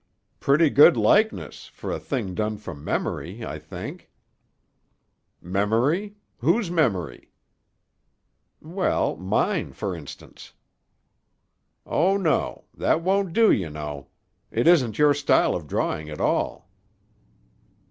"Pretty good likeness, for a thing done from memory, I think." "Memory? Whose memory?" "Well—mine, for instance." "Oh, no. That won't do, you know. It isn't your style of drawing at all."